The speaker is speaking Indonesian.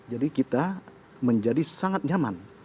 kita menjadi sangat nyaman